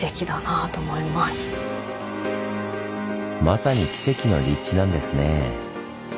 まさに奇跡の立地なんですねぇ。